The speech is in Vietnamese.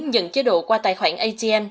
nhận chế độ qua tài khoản atm